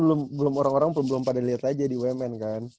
cuman belum orang orang pun belum pada liat aja di umn kan